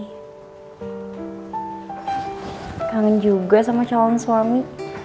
kangen juga sama calon suami